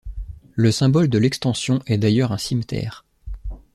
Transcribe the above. Le symbole de l'extension est d'ailleurs un cimeterre.